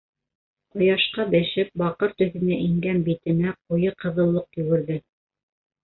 Ҡояшҡа бешеп, баҡыр төҫөнә ингән битенә ҡуйы ҡыҙыллыҡ йүгерҙе.